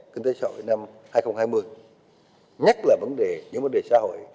kinh tế xã hội năm hai nghìn hai mươi nhất là vấn đề những vấn đề xã hội